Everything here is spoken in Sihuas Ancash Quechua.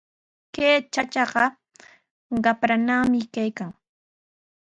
Kay chachaqa qapranami kaykan.